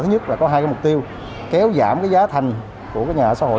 thứ nhất là có hai cái mục tiêu kéo giảm cái giá thành của cái nhà xã hội